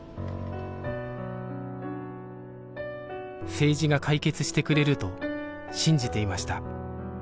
政治が解決してくれると信じていました